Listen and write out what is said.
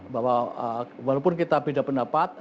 bahwa walaupun kita beda pendapat